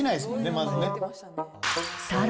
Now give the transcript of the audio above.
まずね。